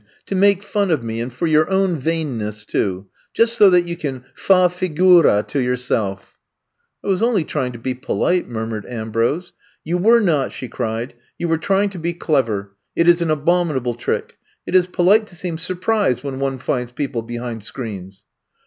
To make fun of me, and for your own vainness, too. Just so that you can fa figura to yourself. '' I was only trying to be polite,'' mur mured Ambrose. *' You were not 1 '' she cried. You were trying to be clever. It is an abominable trick. It is polite to seem surprised when one finds people behind screens